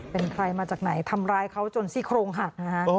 เป็นใครมาจากไหนทำร้ายเขาจนซี่โครงหักนะฮะ